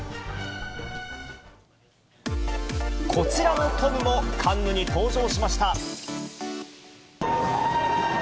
こちらのトムもカンヌに登場しました。